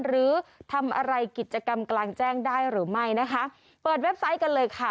หรือทำอะไรกิจกรรมกลางแจ้งได้หรือไม่นะคะเปิดเว็บไซต์กันเลยค่ะ